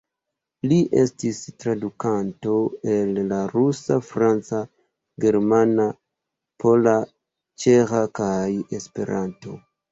Li estis tradukanto el la rusa, franca, germana, pola, ĉeĥa kaj Esperanto.